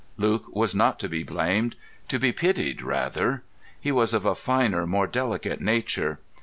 Luke was not to be blamed—to be pitied rather. He was of a finer, more delicate nature.